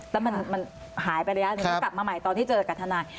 แล้วมันหายไประยะหนึ่งแล้วกลับมาใหม่ตอนที่เจอกับทนาย